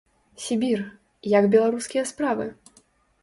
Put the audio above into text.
Сібір, як беларускія справы?